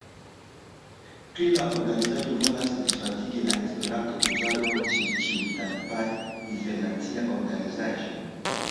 Plie, la organizaĵo volas disvastigi la esperanto-uzadon ĉe ĉiutipaj internaciaj organizaĵoj.